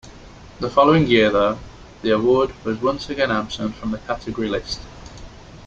The following year, though, the award was once again absent from the category list.